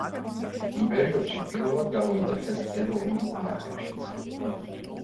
იმ პერიოდში პირველად გამოიძახეს ეროვნულ ნაკრებშიც.